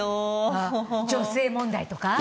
あ女性問題とか？